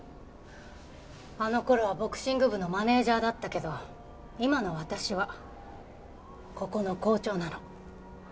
あの頃はボクシング部のマネージャーだったけど今の私はここの校長なの。